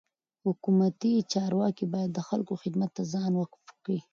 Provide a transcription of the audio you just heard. حکومتي چارواکي باید د خلکو خدمت ته ځان وقف کي.